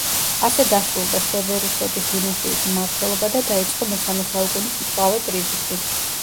ასე დასრულდა სევერუსების დინასტიის მმართველობა და დაიწყო მესამე საუკუნის მწვავე კრიზისი.